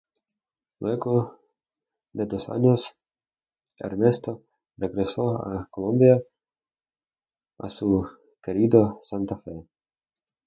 Luego de dos años, Ernesto regresó a Colombia a su querido Santa Fe.